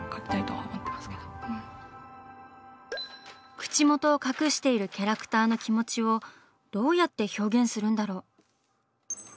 口元を隠しているキャラクターの気持ちをどうやって表現するんだろう？